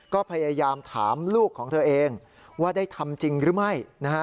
ก็พยายามถามลูกของเธอเองว่าได้ทำจริงหรือไม่นะฮะ